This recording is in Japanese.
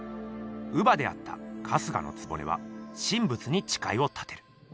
乳母であった春日局は神仏にちかいを立てる。